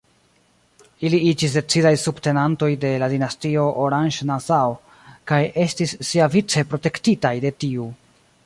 Ili iĝis decidaj subtenantoj de la dinastio Oranje-Nassau kaj estis siavice protektitaj de tiu.